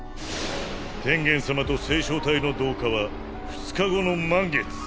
天元様と星漿体の同化は２日後の満月。